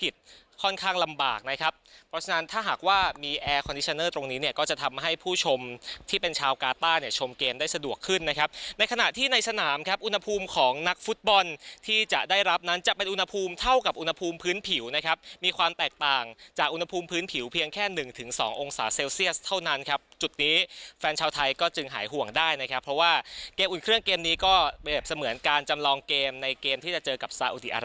สนามครับอุณหภูมิของนักฟุตบอลที่จะได้รับนั้นจะเป็นอุณหภูมิเท่ากับอุณหภูมิพื้นผิวนะครับมีความแตกต่างจากอุณหภูมิพื้นผิวเพียงแค่๑๒องศาเซลเซียสเท่านั้นครับจุดนี้แฟนชาวไทยก็จึงหายห่วงได้นะครับเพราะว่าเกมอุ่นเครื่องเกมนี้ก็เหมือนการจำลองเกมในเกมที่จะเจอกับส